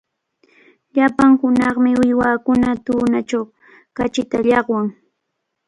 Llapan hunaqmi uywakuna tunachaw kachita llaqwan.